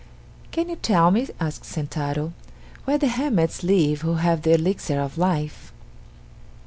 "Can you tell me," asked Sentaro, "where the hermits live who have the Elixir of Life?"